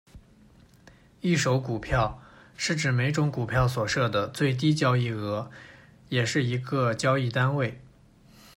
一手股票，是指每种股票所设的最低交易额，也是一个交易单位。